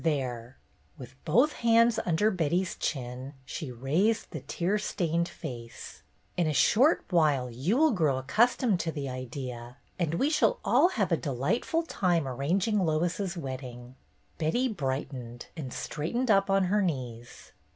There !" With both hands under Betty's chin, she raised the tear stained face. "In a short while you will grow accustomed to the idea, and we shall all have a delightful time arranging Lois's wedding." Betty brightened, and straightened up on her knees.